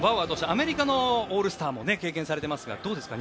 アメリカのオールスターも経験されていますがどうですか？